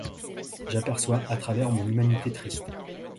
J'aperçois à travers mon humanité triste